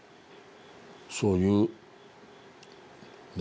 そういうね